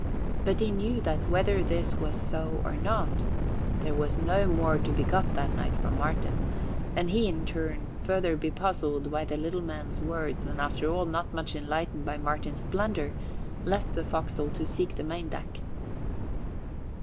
But he knew that whether this was so or not, there was no more to be got that night from Martin, and he in turn, further bepuzzled by the little man's words and after all not much enlightened by Martin's blunder, left the forecastle to seek the main deck.